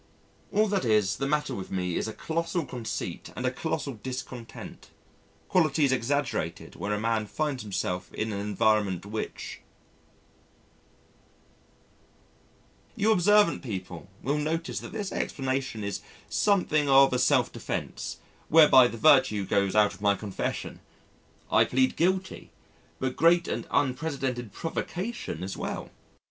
All that is the matter with me is a colossal conceit and a colossal discontent, qualities exaggerated where a man finds himself in an environment which ....You observant people will notice that this explanation is something of a self defence whereby the virtue goes out of my confession. I plead guilty, but great and unprecedented provocation as well.